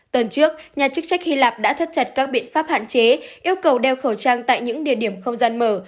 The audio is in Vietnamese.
tuần trước nhà chức trách hy lạp đã thắt chặt các biện pháp hạn chế yêu cầu đeo khẩu trang tại những địa điểm không gian mở